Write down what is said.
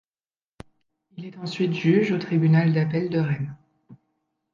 Il est ensuite juge au tribunal d'appel de Rennes.